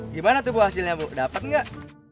gimana tuh bu hasilnya bu dapat nggak